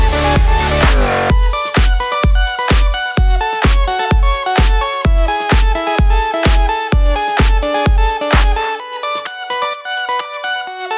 โดยเจ้าโดยเจ้า